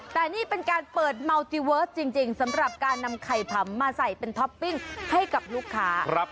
แต่นี่เป็นการเปิดเมาจีเวิร์สจริงสำหรับการนำไข่ผำมาใส่เป็นท็อปปิ้งให้กับลูกค้า